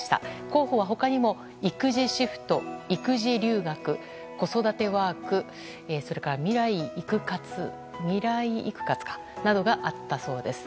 候補は他にも育児シフト、育児留学子育てワーク、未来育活などがあったそうです。